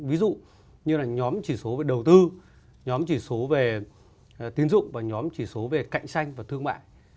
ví dụ như là nhóm chỉ số về đầu tư nhóm chỉ số về tín dụng và nhóm chỉ số về cạnh xanh và thương mại